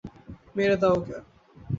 মেরে দাও ওকে।